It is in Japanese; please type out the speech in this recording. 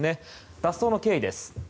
脱走の経緯です。